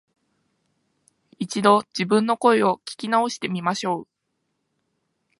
一度、自分の声を聞き直してみましょう